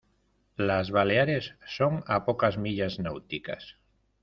Las Baleares son a pocas millas náuticas.